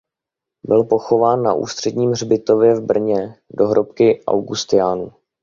Byl pochován na Ústředním hřbitově v Brně do hrobky augustiniánů.